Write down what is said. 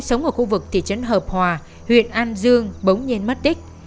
trong năm hai nghìn bảy một người đàn ông sống ở khu vực thị trấn hợp hòa huyện an dương bỗng nhiên mất tích